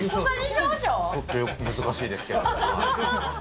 ちょっと難しいですけど。